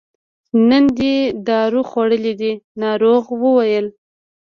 نن دې دارو خوړلي دي ناروغ وویل.